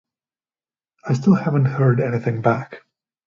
I still haven't heard anything back.